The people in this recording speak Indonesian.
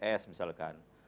ya saya menimbulkan